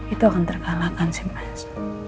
itu akan terkalahkan sih mas